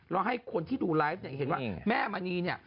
แล้วให้คนที่ดูไลฟ์เนี่ยเห็นว่าแม่มณีเนี่ย